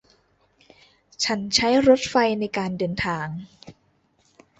ฉันใช้รถไฟในการเดินทาง